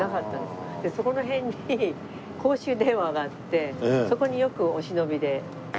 でそこら辺に公衆電話があってそこによくお忍びで。